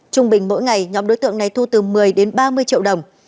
trung bình mỗi ngày nhóm đối tượng này thu từ một mươi đến ba mươi triệu đồng